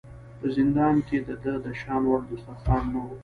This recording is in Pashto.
په زندان کې د ده د شان وړ دسترخوان نه و.